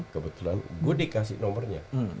kebetulan gue dikasih nomernya